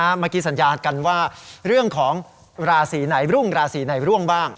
เมื่อกี้สัญญากันว่าเรื่องของราศีไหนรุ่งราศีไหนร่วงบ้าง